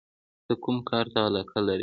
ته کوم کار ته علاقه لرې؟